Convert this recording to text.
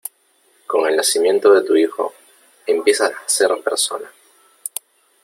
con el nacimiento de tu hijo , empiezas a ser persona